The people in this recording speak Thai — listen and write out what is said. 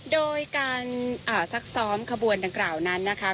โดยการซักซ้อมขบวนดังกล่าวนั้นนะคะ